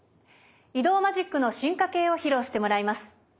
移動マジックの進化形を披露してもらいます。